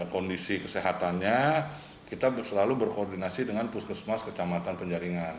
kondisi kesehatannya kita selalu berkoordinasi dengan puskesmas kecamatan penjaringan